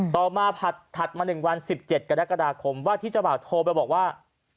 ต่อมาถัดมา๑วัน๑๗กรกฎาคมว่าที่เจ้าบ่าวโทรไปบอกว่า